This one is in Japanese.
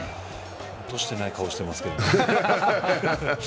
落としてない顔してますけどね。